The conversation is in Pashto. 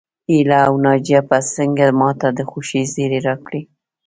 هيله او ناجيه به څنګه ماته د خوښۍ زيری راکړي